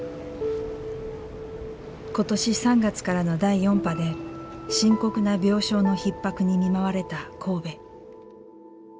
今年３月からの第４波で深刻な病床のひっ迫に見舞われた神戸。